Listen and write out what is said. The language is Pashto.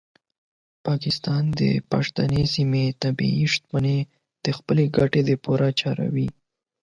پاکستان د پښتنو سیمو طبیعي شتمنۍ د خپلو ګټو لپاره کاروي.